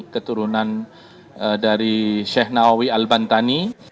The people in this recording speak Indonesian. keturunan dari sheikh nawawi al bantani